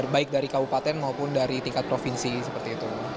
baik dari kabupaten maupun dari tingkat provinsi